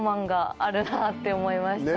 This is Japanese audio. なって思いました。